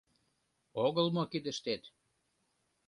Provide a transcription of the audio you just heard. Огыл мо кидыштет?